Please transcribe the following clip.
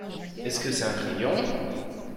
Est-ce que c'est un crayon ?